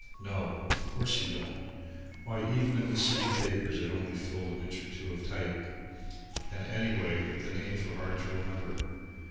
No, of course you don't; why, even in the city papers it only filled an inch or two of type, and anyway the names were hard to remember.